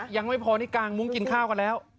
ยังไม่พอนี่กางมุ้งกินข้าวกันแล้ว